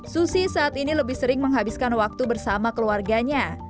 susi saat ini lebih sering menghabiskan waktu bersama keluarganya